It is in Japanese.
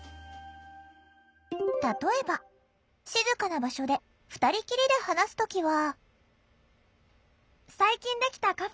例えば静かな場所で２人きりで話す時は。